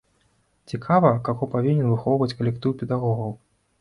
Цікава, каго павінен выхоўваць калектыў педагогаў?